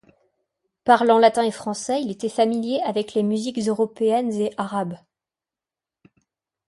Parlant latin et français, il était familier avec les musiques européennes et arabes.